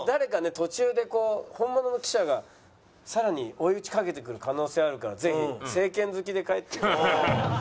途中で本物の記者がさらに追い打ちかけてくる可能性あるからぜひ正拳突きで帰って。